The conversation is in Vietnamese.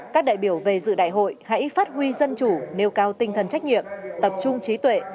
các đại biểu về dự đại hội hãy phát huy dân chủ nêu cao tinh thần trách nhiệm tập trung trí tuệ